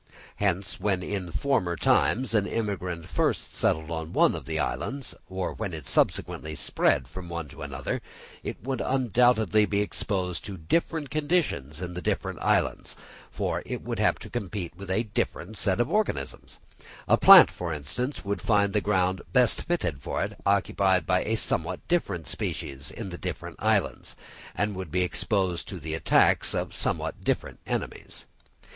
Hence, when in former times an immigrant first settled on one of the islands, or when it subsequently spread from one to another, it would undoubtedly be exposed to different conditions in the different islands, for it would have to compete with a different set of organisms; a plant, for instance, would find the ground best fitted for it occupied by somewhat different species in the different islands, and would be exposed to the attacks of somewhat different enemies.